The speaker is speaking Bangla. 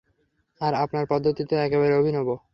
আর আপনার পদ্ধতি তো একেবারে অভিনব।